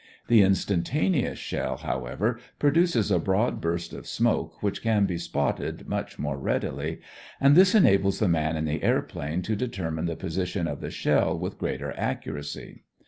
The instantaneous shell, however, produces a broad burst of smoke which can be spotted much more readily, and this enables the man in the airplane to determine the position of the shell with greater accuracy.